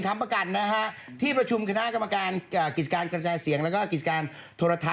ข่าวของพี่ค่ะพี่เฉา